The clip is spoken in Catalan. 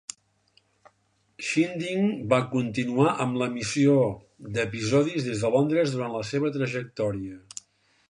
"Shindig" va continuar amb l'emissió d'episodis des de Londres durant la seva trajectòria.